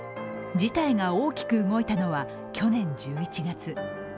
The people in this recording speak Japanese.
事態が大きく動いたのは去年１１月。